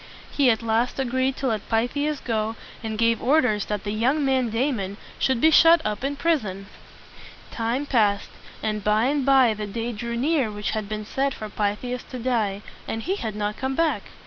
He at last agreed to let Pythias go, and gave orders that the young man Da mon should be shut up in prison. Time passed, and by and by the day drew near which had been set for Pythias to die; and he had not come back.